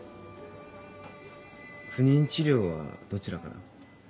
不妊治療はどちらから？